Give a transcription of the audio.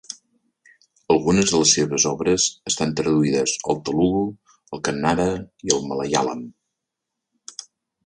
Algunes de les seves obres estan traduïdes al telugu, al kannada i al malaiàlam.